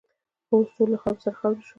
خو اوس ټول له خاورو سره خاوروې شول.